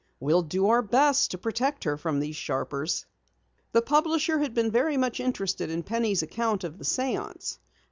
We'll do our best to protect her from these sharpers." The publisher had been very much interested in Penny's account of the séance.